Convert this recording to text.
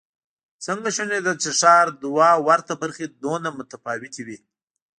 څنګه شونې ده چې د ښار دوه ورته برخې دومره متفاوتې وي؟